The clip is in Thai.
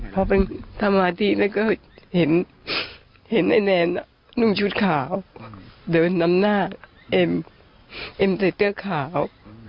พอเป็นสมาธิแล้วก็เห็นไอ้แนนุ่มชุดขาวเดินนำหน้าเอ็มเอ็มใส่เสื้อขาว